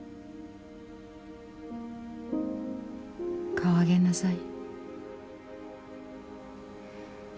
顔上げなさい。